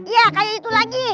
ya kayak itu lagi